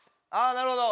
あなるほど。